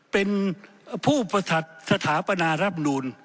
เป็นผู้ประสัตว์สถาปนารัฐมนูญ